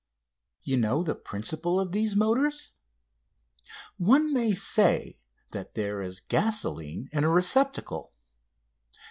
You know the principle of these motors? One may say that there is gasoline in a receptacle.